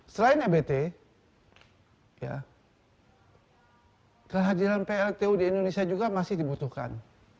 selain ebt kehadiran pltu di indonesia juga masih dibutuhkan